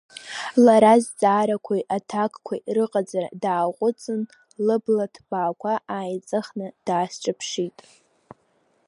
Лара азҵаарақәеи аҭакқәеи рыҟаҵара дааҟәыҵын, лыбла ҭбаақәа ааиҵыхны даасҿаԥшит.